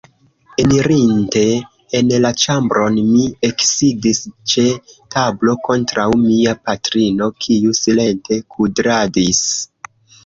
Enirinte en la ĉambron, mi eksidis ĉe tablo kontraŭ mia patrino, kiu silente kudradis.